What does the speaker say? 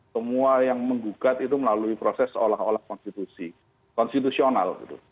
semua yang menggugat itu melalui proses seolah olah konstitusional